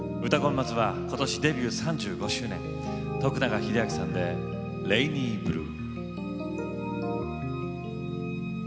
まずはことしデビュー３５周年、徳永英明さんで「レイニーブルー」。